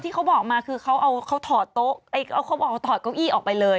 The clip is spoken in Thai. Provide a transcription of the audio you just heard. เขาบอกมาคือเขาเอาเขาถอดโต๊ะเอาเขาบอกถอดเก้าอี้ออกไปเลย